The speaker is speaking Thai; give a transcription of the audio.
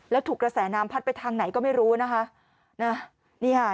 แล้วถูกระแสน้ำพัดไปทางไหนก็ไม่รู้นะคะ